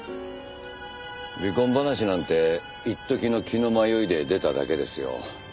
離婚話なんて一時の気の迷いで出ただけですよ。